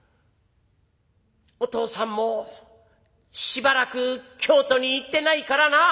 「お父さんもしばらく京都に行ってないからな。